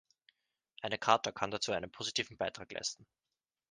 Eine Charta kann dazu einen positiven Beitrag leisten.